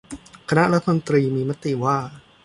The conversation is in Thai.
คณะรัฐมนตรีมีมติว่า